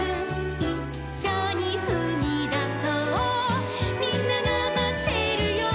「『いっしょにふみだそうみんながまってるよ』」